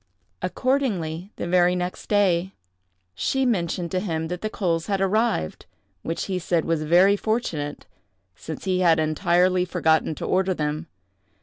Accordingly, the next day, she mentioned to him that the coals had arrived; which he said was very fortunate, since he had entirely forgotten to order them.